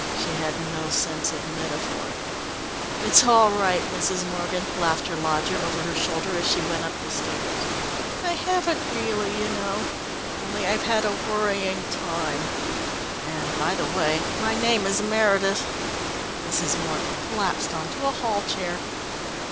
She had no sense of metaphor. "It's all right, Mrs. Morgan," laughed her lodger over her shoulder as she went up the stairs. "I haven't really you know, only I've had a worrying time and by the way, my name is Meredith." Mrs. Morgan collapsed on to a hall chair.